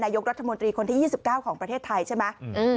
ยกรัฐมนตรีคนที่๒๙ของประเทศไทยใช่ไหม